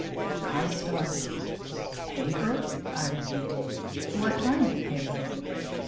I started. "Paper?" I repeated. "What kind of paper?"